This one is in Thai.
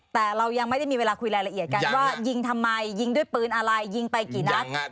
แต่เรายังไม่ได้มีเวลาคุยรายละเอียดกันว่ายิงทำไมยิงด้วยปืนอะไรยิงไปกี่นัด